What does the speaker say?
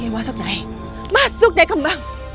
masuk nyai masuk nyai kembang